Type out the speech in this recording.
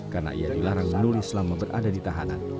karena ia dilarang menulis selama berada di tahanan